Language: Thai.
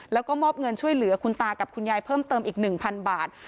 แล้วก็มอบเงินช่วยเหลือคุณตากับคุณยายเพิ่มเติมอีก๑๐๐บาท